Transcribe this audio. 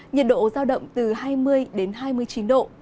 nhiệt độ giao động từ hai mươi đến hai mươi chín độ